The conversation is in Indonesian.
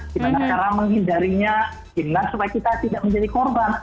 gimana cara menghindarinya gimana supaya kita tidak menjadi korban